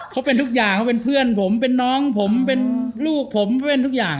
เขาเป็นทุกอย่างเขาเป็นเพื่อนผมเป็นน้องผมเป็นลูกผมเป็นทุกอย่าง